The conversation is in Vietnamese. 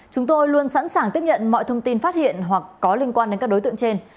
chúng tôi luôn sẵn sàng tiếp nhận mọi thông tin phát hiện hoặc có liên quan đến các đối tượng trên